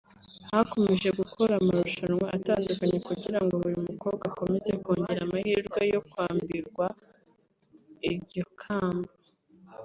hakomeje gukora amarushanwa atandukanye kugirango buri mukobwa akomeze kongera amahirwe yo kwambirwa iryo kamba